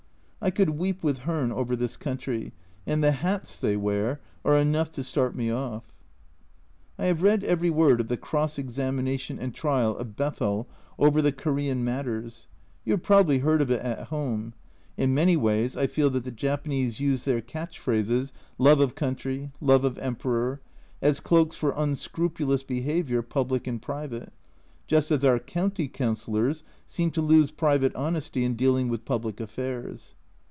I could weep with Hearn over this country, and the hats they wear are enough to start me off ! I have read every word of the cross examination and trial of Bethell over the Korean matters ; you have probably heard of it at home ; in many ways I feel that the Japanese use their catch phrases, " love of country" "love of Emperor," as cloaks for un scrupulous behaviour public and private, just as our county councillors seem to lose private honesty in dealing with public affairs.